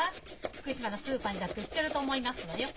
福島のスーパーにだって売ってると思いますのよ。